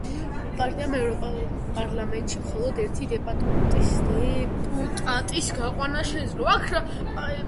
პარტიამ ევროპარლამენტში მხოლოდ ერთი დეპუტატის გაყვანა შეძლო.